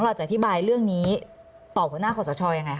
เราจะอธิบายเรื่องนี้ต่อหัวหน้าขอสะชอยอย่างไรครับ